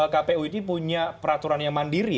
kpu ini punya peraturan yang mandiri